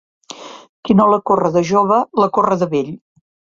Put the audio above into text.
Qui no la corre de jove, la corre de vell.